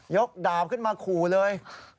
กดาบขึ้นมาขู่เลย